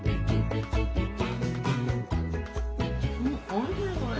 おいしいこれ。